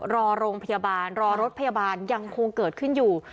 รอโรงพยาบาลรอรถพยาบาลยังคงเกิดขึ้นอยู่